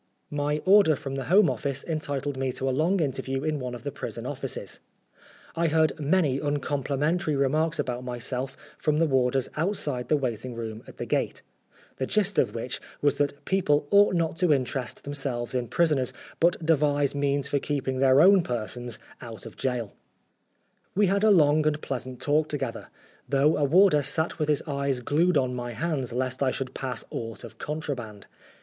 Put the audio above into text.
My order from the Home Office entitled me to a long interview in one of the prison offices. I heard many uncomplimentary remarks about myself from the warders outside the waiting room at the gate, the gist of which was that people ought not to interest themselves in prisoners, but devise means for keeping their own persons out of gaol We had a long and pleasant talk together, though a warder sat with his eyes glued on my hands, lest I should pass aught of contraband.